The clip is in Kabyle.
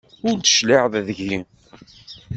Ur d-tecliɛ deg-i.